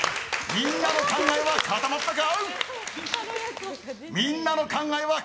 みんなの考えは固まったか？